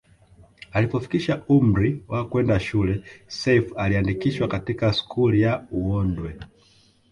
Alipofikisha umri wa kwenda shule Seif aliandikishwa katika skuli ya uondwe